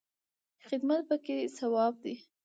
خدمت پکې ثواب دی